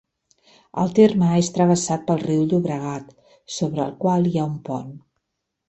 El terme és travessat pel riu Llobregat, sobre el qual hi ha un pont.